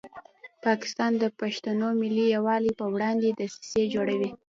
پاکستان د پښتنو ملي یووالي په وړاندې دسیسې جوړوي.